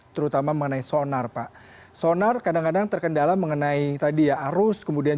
terutama mengenai sonar pak sonar kadang kadang terkendala mengenai tadi ya arus kemudian